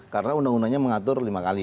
karena undang undangnya mengatur lima kali